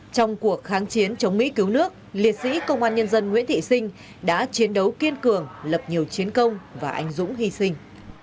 trong cuộc kháng chiến chống mỹ cứu nước liệt sĩ công an nhân dân nguyễn thị sinh đã chiến đấu kiên cường lập nhiều chiến công và anh dũng hy sinh